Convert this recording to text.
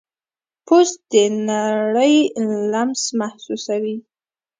پوست د نړۍ لمس محسوسوي.